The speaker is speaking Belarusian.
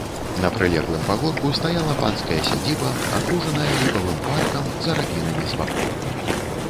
На прылеглым пагорку стаяла панская сядзіба, акружаная ліпавым паркам з арабінамі з бакоў.